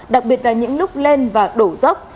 đặc biệt là những lúc lên và đổ dốc